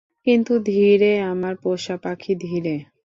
কিন্তু ধীরে, আমার পোষা পাখি, ধীরে।